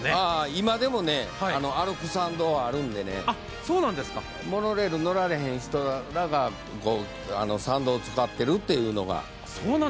今でも歩く山道はあるんで、モノレールに乗られへん人が山道を使っているというのが。